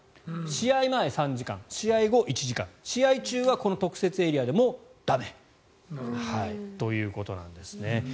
試合前３時間試合後１時間試合中はこの特設エリアでも駄目ということなんですね。